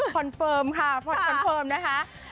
คอนเฟิร์มค่ะคอนเฟิร์มนะคะ